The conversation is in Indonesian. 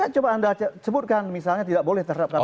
coba anda sebutkan misalnya tidak boleh terhadap kpk